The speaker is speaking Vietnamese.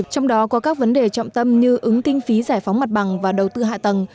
trong đó có các vấn đề trọng tâm như ứng kinh phí giải phóng mặt bằng và đầu tư hạ tầng